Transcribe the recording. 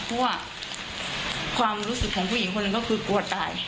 เพราะว่าความรู้สึกของผู้หญิงคนหนึ่งก็คือกลัวตาย